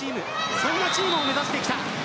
そんなチームを目指してきた。